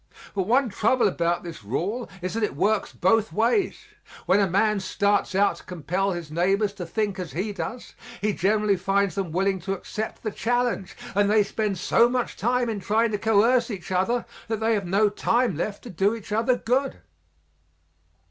But one trouble about this rule is that it works both ways; when a man starts out to compel his neighbors to think as he does, he generally finds them willing to accept the challenge and they spend so much time in trying to coerce each other that they have no time left to do each other good.